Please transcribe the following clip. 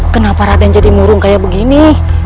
kenapa raden jadi murung kayak begini